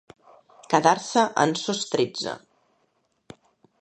Quedar-se en sos tretze.